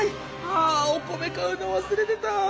あお米買うのわすれてた。